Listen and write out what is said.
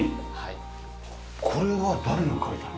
これは誰が描いたの？